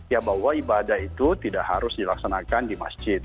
ya bahwa ibadah itu tidak harus dilaksanakan di masjid